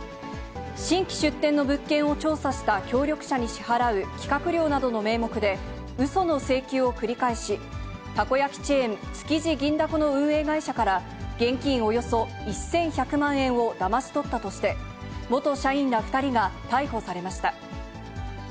新規出店の物件を調査した協力者に支払う企画料などの名目で、うその請求を繰り返し、たこ焼きチェーン、築地銀だこの運営会社から、現金およそ１１００万円をだまし取ったとして、元社員ら２人が逮捕されました。